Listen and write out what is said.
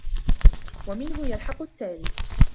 وَمِنْهُ يَلْحَقُ التَّالِي